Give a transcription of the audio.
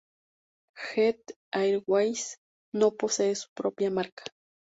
Jet Airways no posee su propia marca.